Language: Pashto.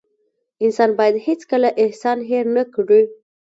انسان بايد هيڅکله احسان هېر نه کړي .